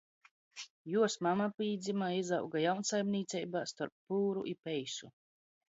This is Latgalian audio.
Juos mama pīdzyma i izauga jaunsaimnīceibā storp pūru i peisu.